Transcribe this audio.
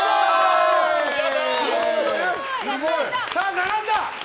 並んだ！